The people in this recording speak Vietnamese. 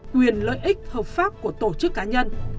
quyền lợi ích hợp pháp của tổ chức cá nhân